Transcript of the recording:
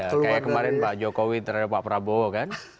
ya kayak kemarin pak jokowi terhadap pak prabowo kan